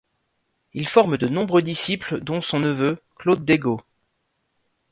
Il forme de nombreux disciples, dont son neveu, Claude Desgots.